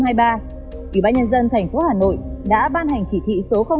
ủy ban nhân dân tp hà nội đã ban hành chỉ thị số hai ct ubnd